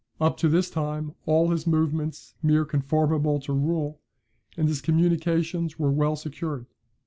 Up to this time all his movements mere conformable to rule, and his communications were well secured.